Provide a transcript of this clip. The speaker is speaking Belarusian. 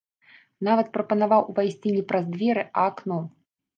Нават прапанаваў увайсці не праз дзверы, а акно.